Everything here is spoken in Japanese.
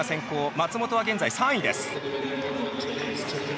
松本は、現在３位です。